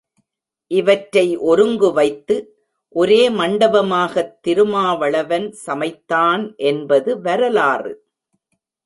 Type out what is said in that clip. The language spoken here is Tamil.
இவற்றை ஒருங்கு வைத்து ஒரே மண்டபமாகத் திருமாவளவன் சமைத்தான் என்பது வரலாறு.